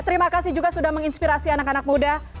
terima kasih juga sudah menginspirasi anak anak muda